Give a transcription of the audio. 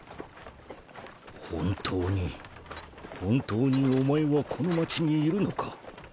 本当に本当にお前はこの町にいるのか？